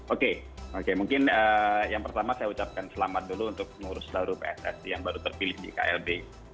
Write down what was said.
oke oke mungkin yang pertama saya ucapkan selamat dulu untuk mengurus selalu pssi yang baru terpilih di klb